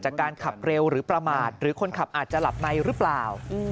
จากการขับเร็วหรือประมาทหรือคนขับอาจจะหลับในหรือเปล่า